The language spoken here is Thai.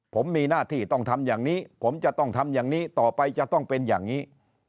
ผมมีหน้าที่ต้องทำอย่างนี้ผมจะต้องทำอย่างนี้ต่อไปจะต้องเป็นอย่างนี้